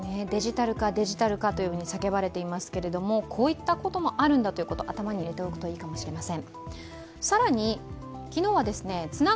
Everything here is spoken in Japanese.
デジタル化が叫ばれていますけれども、こういったこともあるんだということを頭に入れておくといいかもしれません。